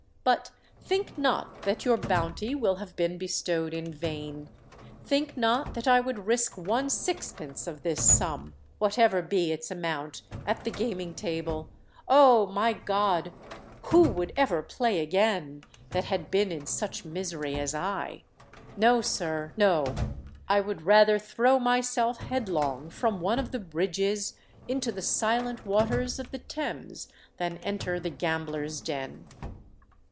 But think not that your bounty will have been bestowed in vain—think not that I would risk one sixpence of this sum—whatever be its amount—at the gaming table! Oh! my God—who would ever play again, that had been in such misery as I? No, sir—no: I would rather throw myself headlong from one of the bridges into the silent waters of the Thames, than enter the gamblers' den!"